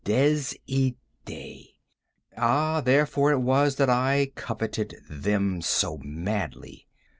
Des idées!—ah, therefore it was that I coveted them so madly!